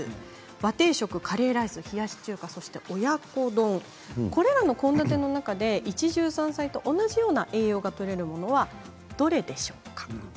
和定食、カレーライス冷やし中華、親子丼これらの献立の中で一汁三菜と同じような栄養素がとれるものはどれでしょうか？